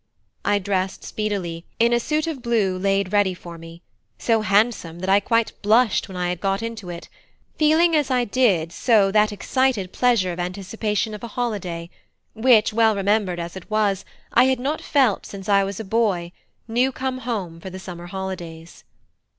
I dressed speedily, in a suit of blue laid ready for me, so handsome that I quite blushed when I had got into it, feeling as I did so that excited pleasure of anticipation of a holiday, which, well remembered as it was, I had not felt since I was a boy, new come home for the summer holidays.